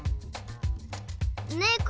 ねこ？